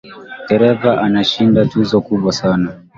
Dereva ameshinda tuzo kubwa sana